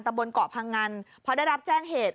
ตำรวจเกาะพังงันเพราะได้รับแจ้งเหตุ